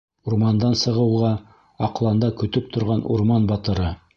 Урмандан сығыуға аҡланда көтөп торған урман батыры.